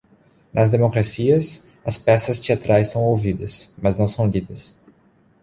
Nas democracias, as peças teatrais são ouvidas, mas não são lidas.